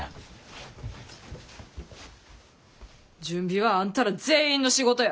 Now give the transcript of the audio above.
準備はあんたら全員の仕事や。